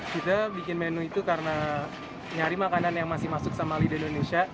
kita bikin menu itu karena nyari makanan yang masih masuk sama lidah indonesia